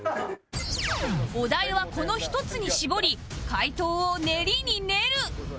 お題はこの１つに絞り回答を練りに練る